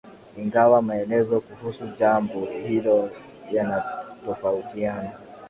ingawa maelezo kuhusu jambo hilo yanatofautiana